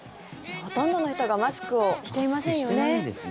ほとんどの人がマスクをしていませんよね。